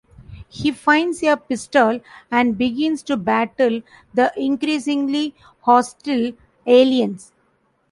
He finds a pistol and begins to battle the increasingly hostile aliens.